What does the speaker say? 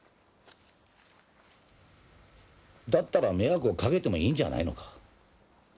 だったら迷惑をかけてもいいんじゃないのか。